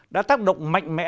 đã tác động mạnh mẽ